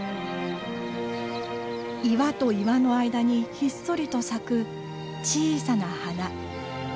岩と岩の間にひっそりと咲く小さな花。